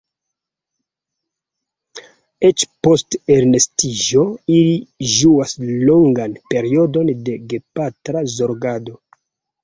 Eĉ post elnestiĝo ili ĝuas longan periodon de gepatra zorgado.